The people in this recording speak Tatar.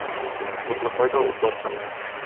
Утны кайдан утларсың?